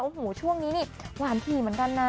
โอ้โหช่วงนี้นี่หวานถี่เหมือนกันนะ